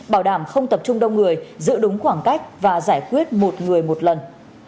bảo đảm không tập trung đông người giữ đúng khoảng cách và giải quyết một người một lần